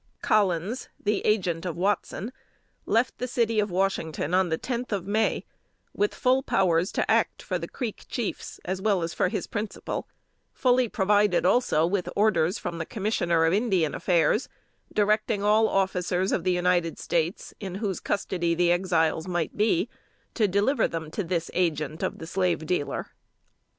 Collins, the agent of Watson, left the City of Washington on the tenth of May with full powers to act for the Creek chiefs as well as for his principal; fully provided, also, with orders from the Commissioner of Indian Affairs, directing all officers of the United States, in whose custody the Exiles might be, to deliver them to this agent of the slave dealer.